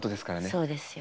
そうですよ。